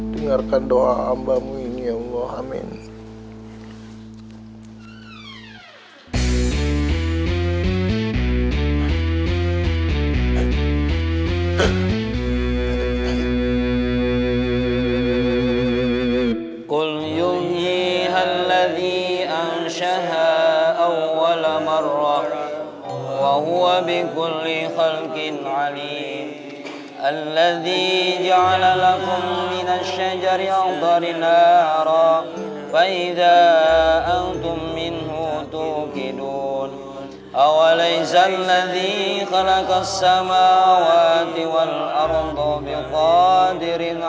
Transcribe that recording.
dengarkan doa amba ini ya allah amin